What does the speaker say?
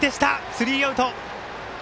スリーアウト。